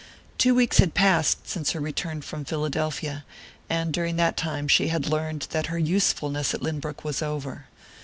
Two weeks had passed since her return from Philadelphia; and during that time she had learned that her usefulness at Lynbrook was over.